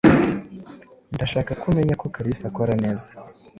Ndashaka ko umenya ko Kalisa akora neza.